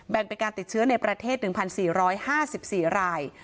เป็นการติดเชื้อในประเทศ๑๔๕๔ราย